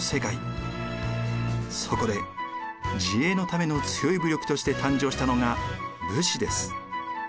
そこで自衛のための強い武力として誕生したのが武士です。